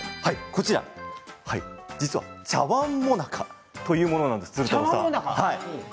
こちらは、ちゃわんもなかというものです。